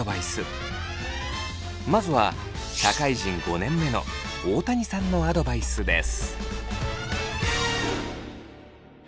まずは社会人５年目の大谷さんのアドバイスです。